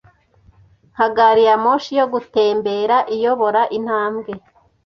Nka gari ya moshi yo gutembera iyobora intambwe